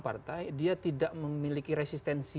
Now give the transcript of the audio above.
partai dia tidak memiliki resistensi